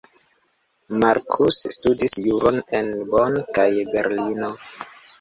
Marcus studis juron en Bonn kaj Berlino.